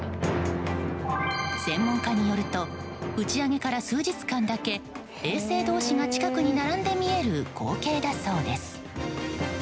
専門家によると打ち上げから数日間だけ衛星同士が近くに並んで見える光景だそうです。